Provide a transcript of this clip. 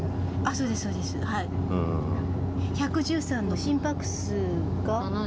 １１３の心拍数が。